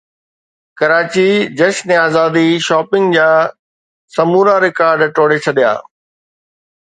ڪراچي جشنزادي شاپنگ جا سمورا رڪارڊ ٽوڙي ڇڏيا